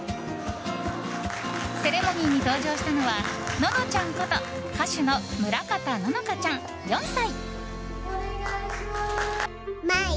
セレモニーに登場したのはののちゃんこと歌手の村方乃々佳ちゃん、４歳。